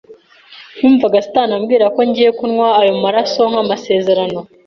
numvaga satani ambwira ko ngiye kunywa ayo maraso nk’amasezerano